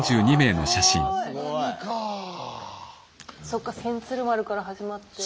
そっか千鶴丸から始まって。